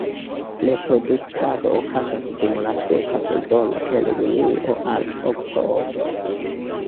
Reproduktado okazas dum la seka sezono el junio al oktobro.